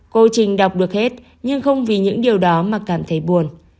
cô trình đọc được hết nhưng không vì những điều đó mà cảm thấy buồn